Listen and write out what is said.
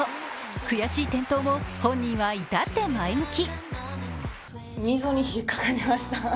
悔しい転倒も本人はいたって前向き。